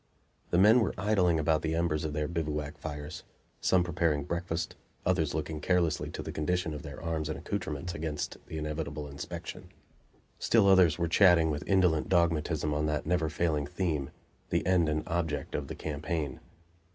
The men were idling about the embers of their bivouac fires; some preparing breakfast, others looking carelessly to the condition of their arms and accoutrements, against the inevitable inspection; still others were chatting with indolent dogmatism on that never failing theme, the end and object of the campaign.